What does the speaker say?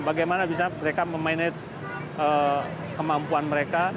bagaimana bisa mereka memanage kemampuan mereka